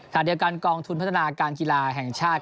ขณะเดียวกันกองทุนพัฒนาการกีฬาแห่งชาติ